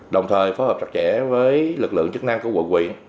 đồng thời phối hợp chặt chẽ với lực lượng chức năng của quận quyện